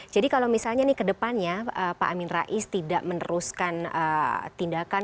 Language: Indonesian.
jadi kalau misalnya ke depannya pak amin rais tidak meneruskan tindakan